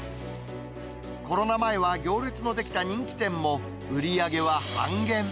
コロナ前は行列の出来た人気店も、売り上げは半減。